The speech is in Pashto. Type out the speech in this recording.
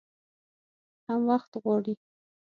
هم وخت غواړي .